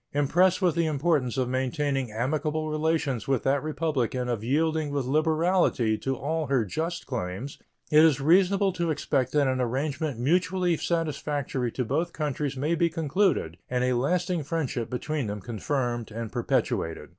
Impressed with the importance of maintaining amicable relations with that Republic and of yielding with liberality to all her just claims, it is reasonable to expect that an arrangement mutually satisfactory to both countries may be concluded and a lasting friendship between them confirmed and perpetuated.